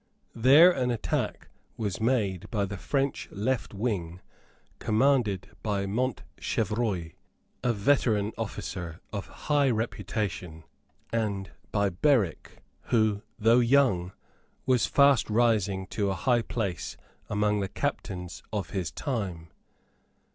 There an attack was made by the French left wing commanded by Montchevreuil, a veteran officer of high reputation, and by Berwick, who, though young, was fast rising to a high place among the captains of his time.